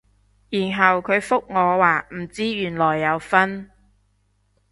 然後佢覆我話唔知原來有分